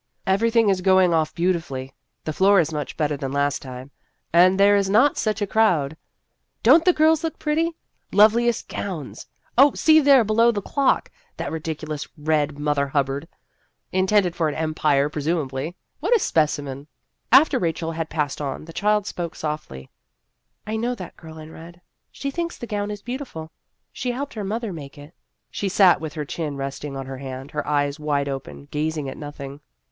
" Everything is going off beauti fully. The floor is much better than last time, and there is not such a crowd. Don't the girls look pretty ! Loveliest gowns ! Oh, see there below the clock ! that ridiculous red Mother Hubbard ! In tended for an Empire, presumably. What a specimen !" After Rachel had passed on, the child spoke softly : "I know that girl in red. She thinks the gown is beautiful ; she helped her mother make it." Heroic Treatment 95 She sat with her chin resting on her hand, her eyes wide open, gazing at nothing.